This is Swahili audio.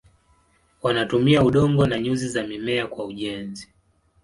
Wanatumia udongo na nyuzi za mimea kwa ujenzi.